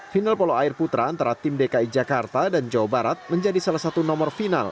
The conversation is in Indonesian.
final polo air putra antara tim dki jakarta dan jawa barat menjadi salah satu nomor final